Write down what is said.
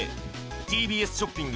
ＴＢＳショッピング